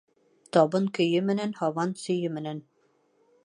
Табын көйө менән, һабан сөйө менән.